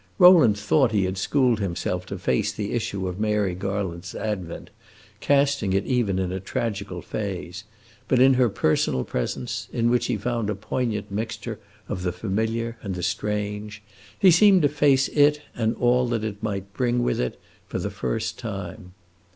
Rowland thought he had schooled himself to face the issue of Mary Garland's advent, casting it even in a tragical phase; but in her personal presence in which he found a poignant mixture of the familiar and the strange he seemed to face it and all that it might bring with it for the first time.